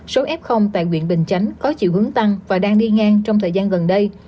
số f tại quyện bình chánh có chiều hướng tăng và đang đi ngang trong thời gian gần đây